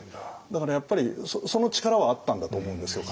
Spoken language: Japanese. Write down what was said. だからやっぱりその力はあったんだと思うんですよ